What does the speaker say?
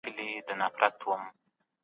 د وریښتانو د څوکو پرې کول ښکلا زیاتوي.